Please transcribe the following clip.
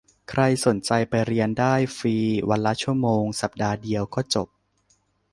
ใครสนใจไปเรียนได้ ฟรี วันละชั่วโมง สัปดาห์เดียวก็จบ